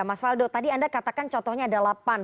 mas faldo tadi anda katakan contohnya adalah pan